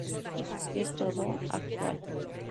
Es todo actual.